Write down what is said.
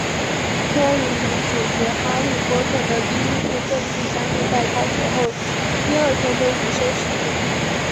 柯林与主角哈利波特的第一次正式相遇在开学后第二天的午休时间。